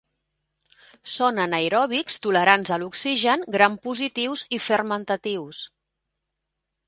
Són anaeròbics tolerants a l’oxigen, grampositius i fermentatius.